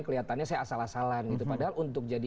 kelihatannya saya asal asalan gitu padahal untuk jadi